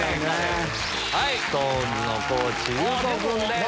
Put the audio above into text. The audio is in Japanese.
ＳｉｘＴＯＮＥＳの地優吾君です。